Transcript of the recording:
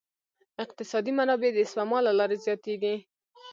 اقتصادي منابع د سپما له لارې زیاتیږي.